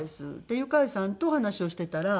でユカイさんと話をしていたら。